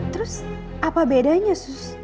terus apa bedanya sus